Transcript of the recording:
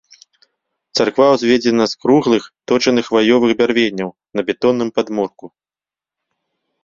Царква ўзведзена з круглых точаных хваёвых бярвенняў на бетонным падмурку.